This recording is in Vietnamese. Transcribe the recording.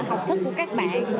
học thức của các bạn